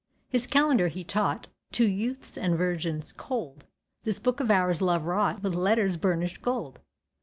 His calendar he taught To youths and virgins cold— This Book of Hours Love wrought With letters burnished gold.